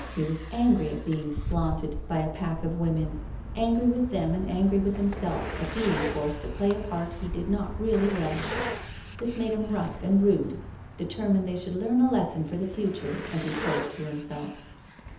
He was angry at being flaunted by a pack of women, angry with them and angry with himself, at being forced to play a part he did not really relish. This made him rough and rude^ determined they should learn a lesson for the future^ as he put it to himself.